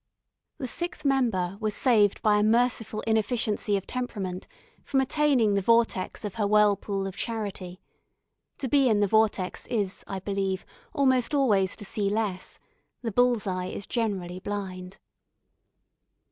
The sixth member was saved by a merciful inefficiency of temperament from attaining the vortex of her whirlpool of charity. To be in the vortex is, I believe, almost always to see less. The bull's eye is generally blind.